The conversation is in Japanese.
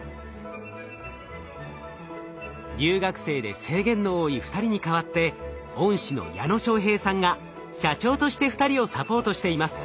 留学生で制限の多い２人に代わって恩師の矢野昌平さんが社長として２人をサポートしています。